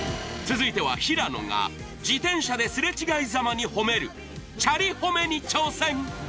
続いては平野が自転車ですれ違いざまに褒めるチャリほめに挑戦